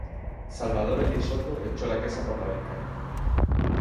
Salvador Elizondo echó la casa por la ventana.